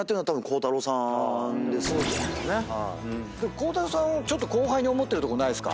鋼太郎さんをちょっと後輩に思ってるとこないっすか？